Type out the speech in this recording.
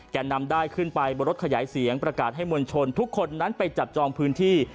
แก่นำได้ขึ้นไปบนรถขยายเสียงประกาศให้มวลชนทุกคนนั้นไปจับจองพื้นที่